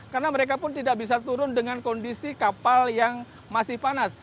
karena mereka pun tidak bisa turun dengan kondisi kapal yang masih panas